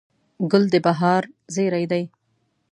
ګل د بهار زېری دی.